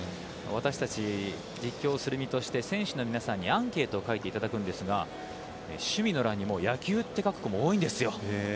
私たち実況する身として選手の皆さんにアンケートを書いていただくんですが趣味の欄に野球と書くも子も多いんです。